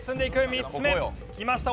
３つ目きました